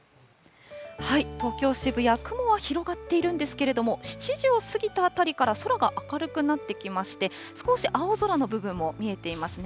東京・渋谷、雲は広がっているんですけれども、７時を過ぎたあたりから、空が明るくなってきまして、少し青空の部分も見えていますね。